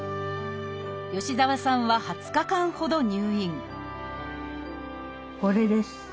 吉澤さんは２０日間ほど入院これです。